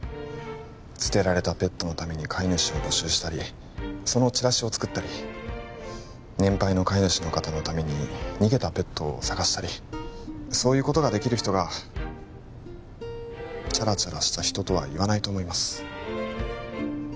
捨てられたペットのために飼い主を募集したりそのチラシを作ったり年配の飼い主の方のために逃げたペットを捜したりそういうことができる人がチャラチャラした人とは言わないと思います